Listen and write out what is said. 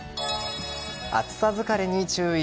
暑さ疲れに注意。